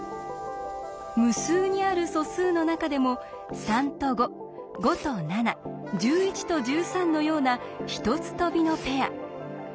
無数にある素数の中でも３と５５と７１１と１３のような１つ飛びのペア。